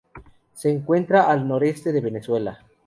Se encuentra al noreste de Venezuela.